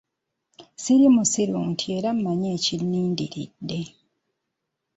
Siri musiru ntyo era mmanyi ekinnindiridde.